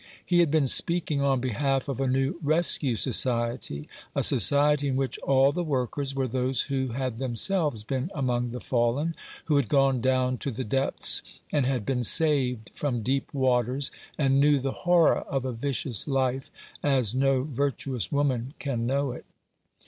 He had been speaking on behalf of a new Rescue Society, a society in which all the workers were those who had themselves been among the fallen — who had gone down to the depths, and had been saved from deep waters, and knew the horror of a vicious life as no virtuous woman can know it.